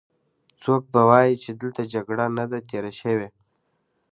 څوک به وايې چې دلته جګړه نه ده تېره شوې.